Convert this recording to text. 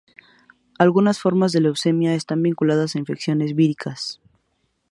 Algunas formas de leucemia están vinculadas a infecciones víricas.